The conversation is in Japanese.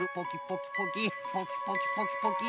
ポキポキポキポキ。